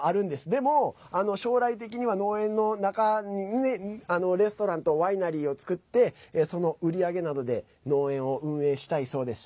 でも、将来的には農園の中にレストランとワイナリーを作ってその売り上げなどで農園を運営したいそうです。